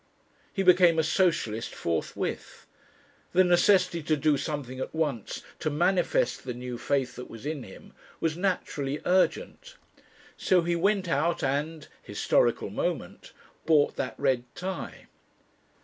He became a Socialist forthwith. The necessity to do something at once to manifest the new faith that was in him was naturally urgent. So he went out and (historical moment) bought that red tie!